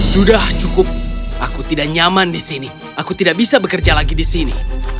sudah cukup aku tidak nyaman di sini aku tidak bisa bekerja lagi di sini